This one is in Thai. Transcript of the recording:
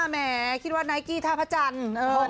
แหมคิดว่าไนกี้ท่าพระจันทร์